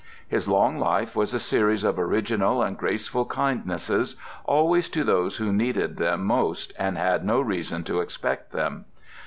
His long life was a series of original and graceful kindnesses, always to those who needed them most and had no reason to expect them.